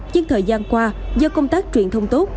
nhưng thời gian qua do công tác truyền thông tốt